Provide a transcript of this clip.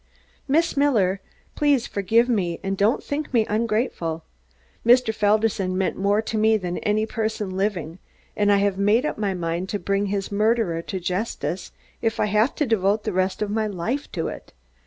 "Miss Miller, please forgive me and don't think me ungrateful. Mr. Felderson meant more to me than any person living, and I have made up by mind to bring his murderer to justice if I have to devote the rest of my life to it.